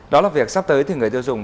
đó là việc sắp tới người tiêu dùng